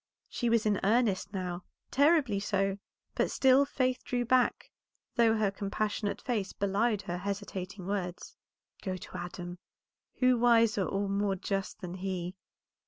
She was in earnest now, terribly so, but still Faith drew back, though her compassionate face belied her hesitating words. "Go to Adam; who wiser or more just than he?"